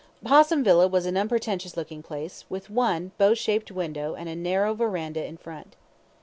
Possum Villa was an unpretentious looking place, with one bow window and a narrow verandah in front.